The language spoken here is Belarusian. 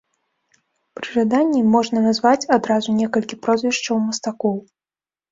Пры жаданні можна назваць адразу некалькі прозвішчаў мастакоў.